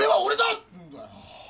ってんだよ